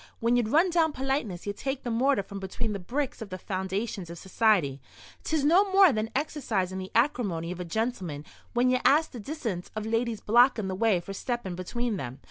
When ye run down politeness ye take the mortar from between the bricks of the foundations of society. 'Tis no more than exercisin' the acrimony of a gentleman when ye ask the dissent of ladies blockin' the way for steppin' between them.